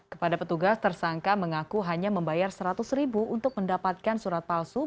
kepada petugas tersangka mengaku hanya membayar seratus ribu untuk mendapatkan surat palsu